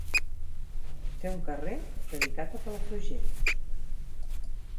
Té un carrer dedicat a Palafrugell.